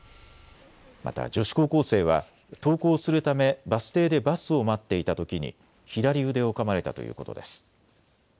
また女子高校生は登校するためバス停でバスを待っていたときに左腕をかまれたということです。